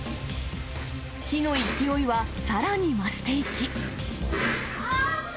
火の勢いはさらに増していき。